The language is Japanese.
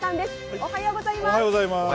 おはようございます。